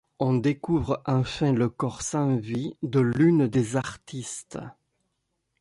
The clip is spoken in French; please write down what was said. On découvre enfin le corps sans vie de l'une des artistes.